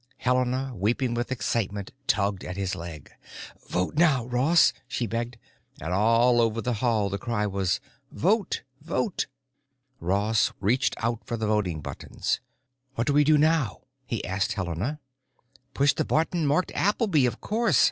Helena, weeping with excitement, tugged at his leg. "Vote now, Ross," she begged, and all over the hall the cry was "Vote! Vote!" Ross reached out for the voting buttons. "What do we do now?" he asked Helena. "Push the button marked 'Appleby,' of course.